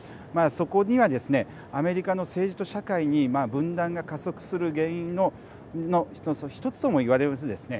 そこにはですねアメリカの政治と社会に分断が加速する原因の１つともいわれるですね